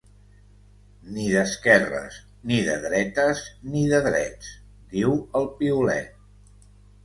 Ni d’esquerres, ni de dretes, ni de drets, diu el piulet.